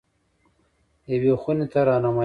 یوې خونې ته رهنمايي شول.